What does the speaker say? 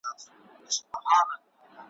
چي اسمان ورته نجات نه دی لیکلی ,